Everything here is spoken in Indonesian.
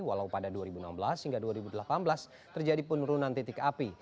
walau pada dua ribu enam belas hingga dua ribu delapan belas terjadi penurunan titik api